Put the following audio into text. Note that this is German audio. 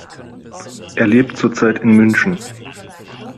Er lebt zurzeit in München.